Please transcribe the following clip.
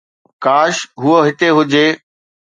ڪاش هوءَ هتي هجي